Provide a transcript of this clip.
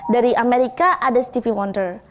dari amerika ada steve wonder